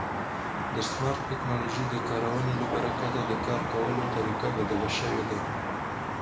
د سمارټ ټکنالوژۍ د کارونې له برکته د کار کولو طریقه بدله شوې ده.